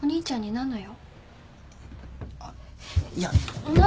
何の用？